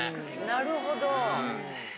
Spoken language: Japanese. なるほど。